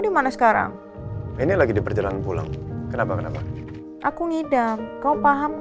dimana sekarang ini lagi di perjalanan pulang kenapa kenapa aku ngidam kau paham